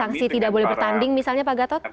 sanksi tidak boleh bertanding misalnya pak gatot